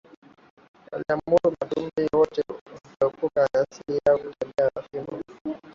waliamuru Wamatumbi wote kuepukana na asili yao ya kutembea na fimbo